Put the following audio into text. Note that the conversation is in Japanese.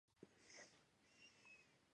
はい、おっぱっぴー